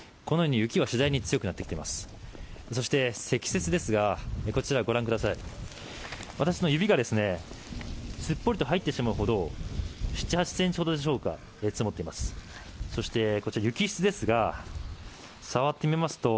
このように雪は次第に強くなってきています。